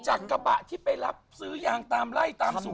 กระบะที่ไปรับซื้อยางตามไล่ตามสูบ